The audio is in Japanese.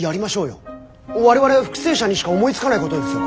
我々復生者にしか思いつかないことですよ